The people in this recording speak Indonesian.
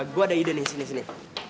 gue ada ide nih sini sini